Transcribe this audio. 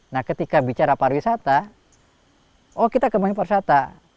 nah ketika bicara pariwisata oh kita kembali pariwisata